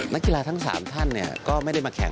นักกีฬาทั้ง๓ท่านก็ไม่ได้มาแข่ง